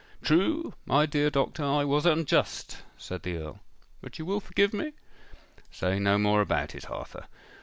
"True, my dear doctor—I was unjust," said the Earl. "But you will forgive me?" "Say no more about it, Arthur.